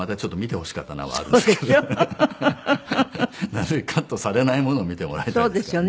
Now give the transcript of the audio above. なるべくカットされないものを見てもらいたいですからね。